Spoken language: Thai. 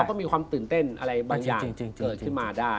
ก็มีความตื่นเต้นอะไรบางอย่างเกิดขึ้นมาได้